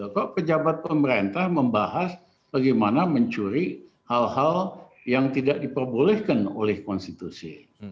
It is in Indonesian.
kok pejabat pemerintah membahas bagaimana mencuri hal hal yang tidak diperbolehkan oleh konstitusi